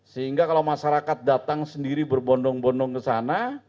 sehingga kalau masyarakat datang sendiri berbondong bondong ke sana